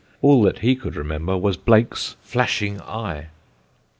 All that he could remember was Blake's flashing eye.